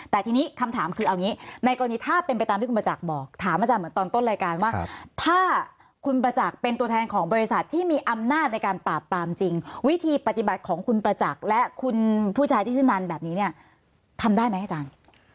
แต่ทีนี้คำถามคือเอางี้ในกรณีถ้าเป็นไปตามที่คุณประจักษ์บอกถามอาจารย์เหมือนตอนต้นรายการว่าถ้าคุณประจักษ์เป็นตัวแทนของบริษัทที่มีอำนาจในการปราบปรามจริงวิธีปฏิบัติของคุณประจักษ์และคุณผู้ชายที่ชื่อนันแบบนี้เนี่ยทำได้ไหมอาจารย์